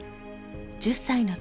１０歳の時